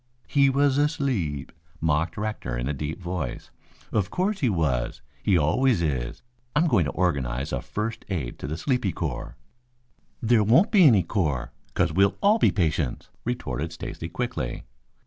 "He was asleep," mocked Rector in a deep voice. "Of course he was. He always is. I'm going to organize a first aid to the sleepy corps." "There won't be any corps, 'cause we'll all be patients," retorted Stacy quickly.